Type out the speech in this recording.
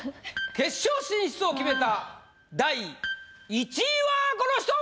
決勝進出を決めた第１位はこの人！